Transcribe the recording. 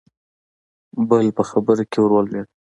بل په خبره کې ورولوېد: